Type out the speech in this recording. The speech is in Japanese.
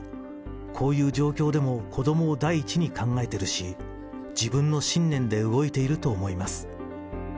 こういう状況でも子どもを第一に考えてるし、自分の信念で動いていると思います。